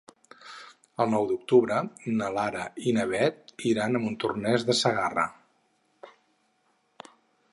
El nou d'octubre na Lara i na Beth iran a Montornès de Segarra.